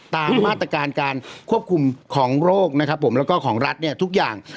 ตามมาตรการการควบคุมของโรคนะครับผมแล้วก็ของรัฐเนี่ยทุกอย่าง